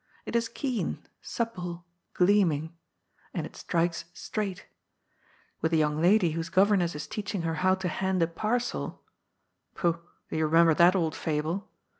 It is keen, supple, gleaming. And it strikes straight With the young lady whose goyemess is teaching her how to hand a parcel — ^pooh ! do you remember that old fable